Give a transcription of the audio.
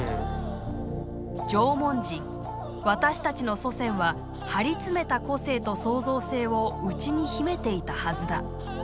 「縄文人私たちの祖先は張り詰めた個性と創造性を内に秘めていたはずだ」。